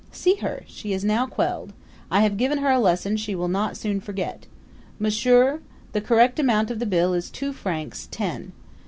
See her! She is now quelled! I have given her a lesson she will not soon forget. M'sieur, the correct amount of the bill is two francs ten.